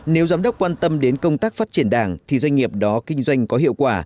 nếu giám đốc quan tâm đến công tác phát triển đảng thì doanh nghiệp đó kinh doanh có hiệu quả